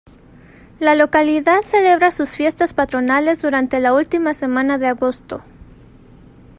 La localidad celebra sus fiestas patronales durante la última semana de agosto.